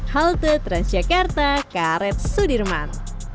halte transjakarta karet sudirman